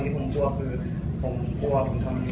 ผมกลัวคือผมทำแรงเกินไป